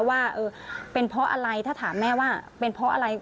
ว่าเป็นเพราะอะไรถ้าถามแม่ว่าเป็นเพราะอะไร